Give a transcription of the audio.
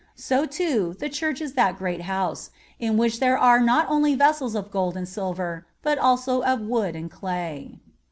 (47) So, too, the Church is that great house(48) in which there are not only vessels of gold and silver, but also of wood and clay.